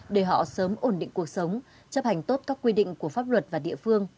để họ sớm ổn định cuộc sống chấp hành tốt các quy định của pháp luật và địa phương